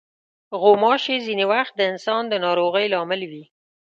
غوماشې ځینې وخت د انسان د ناروغۍ لامل وي.